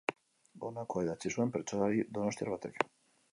Honakoa idatzi zuen bertsolari donostiar batek.